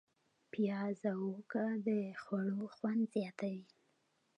پیاز او هوږه د خوړو خوند زیاتوي.